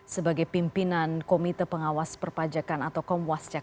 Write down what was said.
sebagai pimpinan komite pengawas perpajakan atau komwasjak